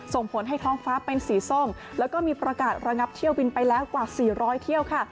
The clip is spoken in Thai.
ส่งผลให้ท้องฟ้าเป็นสีส้มแล้วก็มีประกาศระงับเที่ยวบินไปแล้วกว่า๔๐๐เที่ยวค่ะ